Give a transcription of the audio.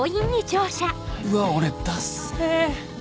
うわ俺ダッセェ